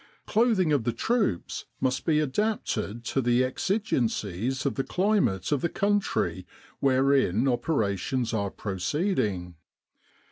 Clothing of the troops must be adapted to the exigencies of the climate of the country wherein operations are pro ceeding.